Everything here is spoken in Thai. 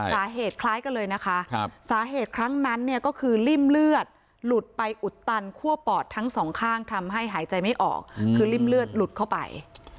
สาเหตุคล้ายกันเลยนะคะสาเหตุครั้งนั้นเนี่ยก็คือริ่มเลือดหลุดไปอุดตันคั่วปอดทั้งสองข้างทำให้หายใจไม่ออกคือริ่มเลือดหลุดเข้าไป